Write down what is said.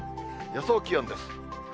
予想気温です。